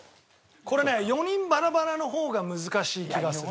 これね４人バラバラの方が難しい気がする。